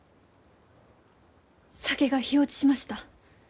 酒が火落ちしました。